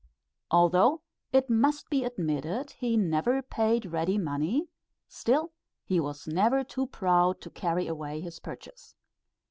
Although it must be admitted he never paid ready money, still he was never too proud to carry away his purchase.